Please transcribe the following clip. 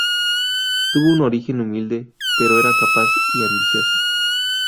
Tuvo un origen humilde, pero era capaz y ambicioso.